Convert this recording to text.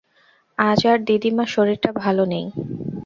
আজ আর দিদিমা, শরীরটা ভালো নেই।